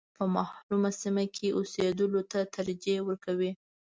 په محرومه سیمه کې اوسېدلو ته ترجیح ورکوي.